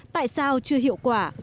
tại sao chưa hiệu quả